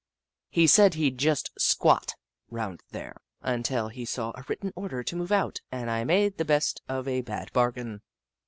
He said he 'd just " squat " round there until he saw a written order to move out, and I made the best of a bad bargain.